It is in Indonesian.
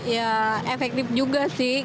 ya efektif juga sih